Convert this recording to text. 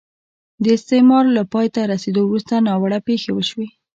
د استعمار له پای ته رسېدو وروسته ناوړه پېښې وشوې.